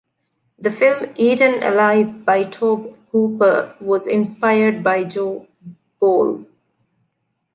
The film "Eaten Alive" by Tobe Hooper was inspired by Joe Ball.